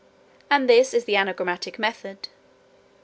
And this is the anagrammatic method."